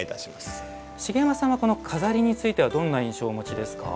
茂山さんはこの錺についてはどんな印象をお持ちですか？